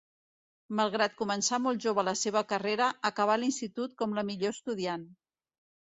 Malgrat començar molt jove la seva carrera, acabà l'Institut com la millor estudiant.